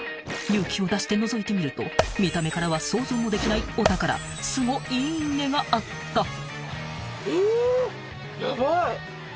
［勇気を出してのぞいてみると見た目からは想像もできないお宝「スゴいいね！」があった］